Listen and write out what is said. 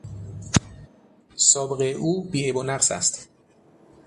سابقهی او بیعیب و نقص است.